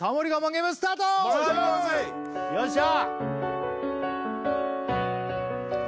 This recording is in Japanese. ゲームスタートよっしゃ！